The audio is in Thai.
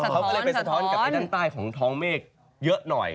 เขาก็เลยไปสะท้อนกับไอ้ด้านใต้ของท้องเมฆเยอะหน่อย